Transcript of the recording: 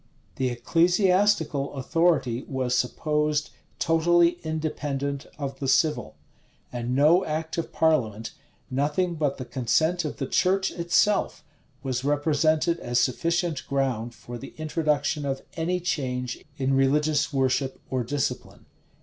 The ecclesiastical authority was supposed totally independent of the civil; and no act of parliament, nothing but the consent of the church itself, was represented as sufficient ground for the introduction of any change in religious worship or discipline.